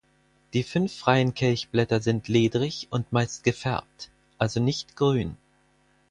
Die fünf freien Kelchblätter sind ledrig und meist gefärbt, also nicht grün.